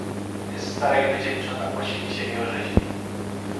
"Jest stara i wycieńczona, posili się i orzeźwi."